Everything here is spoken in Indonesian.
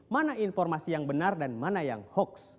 mana informasi yang benar dan mana yang hoax